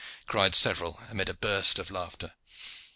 cried several, amid a burst of laughter.